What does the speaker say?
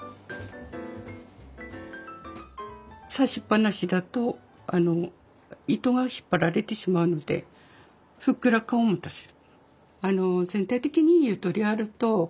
刺しっぱなしだと糸が引っ張られてしまうのでふっくら感を持たせる。